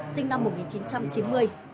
sinh năm một nghìn chín trăm chín mươi